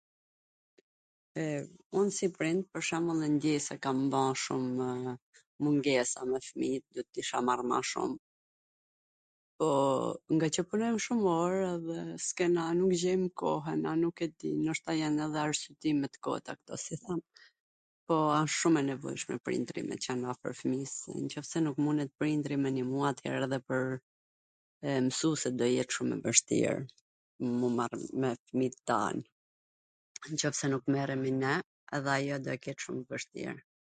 Un si prind pwr shwmbull e ndjej se kam ba shum mungesa me fmijt, duhet t isha marr ma shum, po ngaqw punojm shum orw edhe s kena nuk gjejm koh, nuk e di, ndoshta jan edhe arsyetime tw kota kto si them, po asht shum e nevojshme prindri me qwn afwr fmis, nw qoft se nuk mundet edhe prindri me ndihmu, athere pwr msusit do jet shum e vwshtir m u marr me fmit tan, nw qoft se nuk merremi ne, edhe ajo do e ket shum t vwshtir.